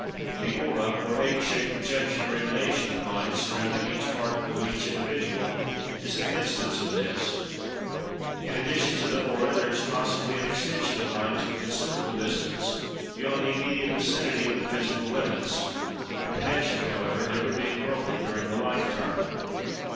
The Aura, or egg shaped projection or emanation of Mind, surrounding each Particle and each Individual, is an instance of this. In addition to the Aura, there is possibly an extension of Mind to a considerable distance beyond the immediate vicinity of the physical limits, the connection, however, never being broken during the "life" term.